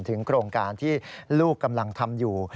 โครงการที่ลูกกำลังทำอยู่